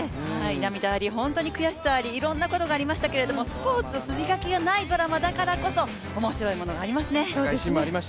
涙あり、本当に悔しさあり、いろんなことがありましたけれども、スポーツ、筋書きがないドラマだからこそ面白いものがありますね。